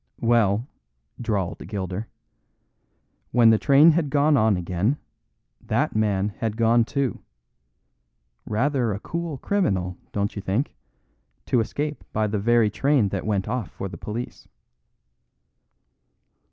"Well," drawled Gilder, "when the train had gone on again, that man had gone too. Rather a cool criminal, don't you think, to escape by the very train that went off for the police?"